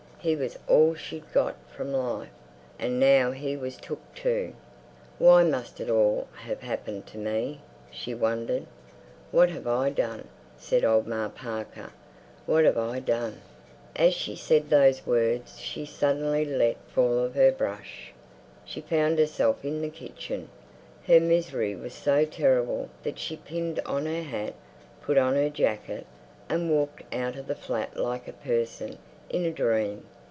He was all she'd got from life, and now he was took too. Why must it all have happened to me? she wondered. "What have I done?" said old Ma Parker. "What have I done?" As she said those words she suddenly let fall her brush. She found herself in the kitchen. Her misery was so terrible that she pinned on her hat, put on her jacket and walked out of the flat like a person in a dream.